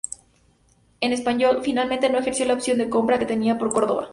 El Espanyol finalmente no ejerció la opción de compra que tenía por Córdoba.